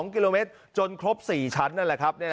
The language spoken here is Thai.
๒กิโลเมตรจนครบ๔ชั้นนั่นแหละครับ